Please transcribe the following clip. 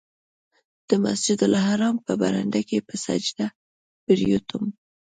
د مسجدالحرام په برنډه کې په سجده پرېوتم.